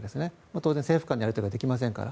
当然、政府間のやり取りができませんから。